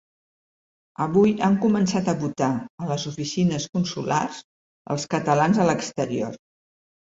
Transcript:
Avui han començat a votar, a les oficines consulars, els catalans a l’exterior.